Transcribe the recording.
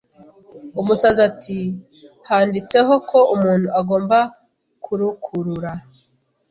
Umusazi ati handitseho ko umuntu agomba kurukurura